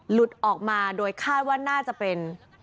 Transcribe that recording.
หลุดออกมาโดยคาดว่าน่าจะเป็น